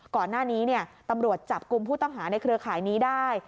ก่อนหน้านี้ตำรวจจับกลุ่มผู้ต้องหาในเครือข่ายนี้ได้